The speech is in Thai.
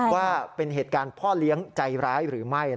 ว่าเป็นเหตุการณ์พ่อเลี้ยงใจร้ายหรือไม่